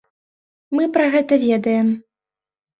Мы пра гэта ведаем.